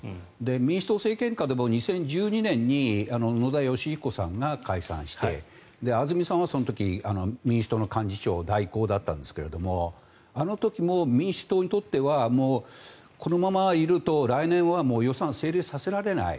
民主党政権下でも２０１２年に野田佳彦さんが解散して安住さんはその時、民主党の幹事長代行だったんですがあの時も民主党にとってはこのままいると来年は予算成立させられない。